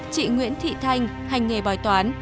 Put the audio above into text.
chị nguyễn thị thanh hành nghề bói toán